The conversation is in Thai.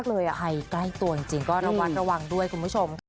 ใครใกล้ตัวจริงก็ระวังด้วยคุณผู้ชม